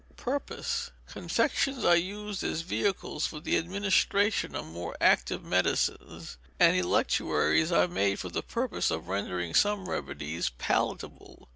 Purpose. Confections are used as vehicles for the administration of more active medicines, and Electuaries are made for the purpose of rendering some remedies palatable.